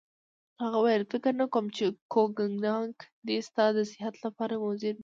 هغه وویل: فکر نه کوم چي کوګناک دي ستا د صحت لپاره مضر وي.